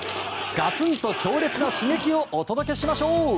ガツンと強烈な刺激をお届けしましょう！